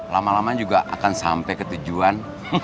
lama lama juga akan sampai ke tujuan